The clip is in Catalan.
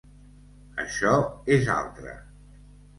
Això és altre.